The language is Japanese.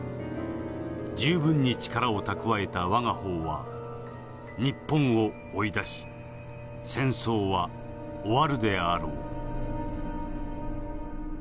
十分に力を蓄えた我が方は日本を追い出し戦争は終わるであろう」。